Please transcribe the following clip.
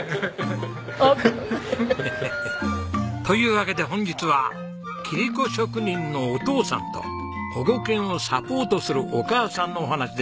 というわけで本日は切子職人のお父さんと保護犬をサポートするお母さんのお話です。